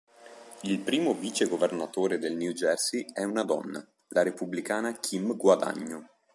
Il primo vicegovernatore del New Jersey è una donna: la Repubblicana Kim Guadagno.